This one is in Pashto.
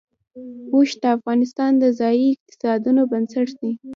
اوښ د افغانستان د ځایي اقتصادونو بنسټ دی.